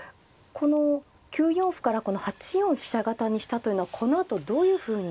この９四歩から８四飛車型にしたというのはこのあとどういうふうに。